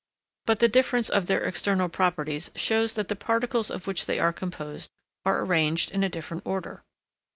But the difference of their external properties shows that the particles of which they are composed are arranged in a different order.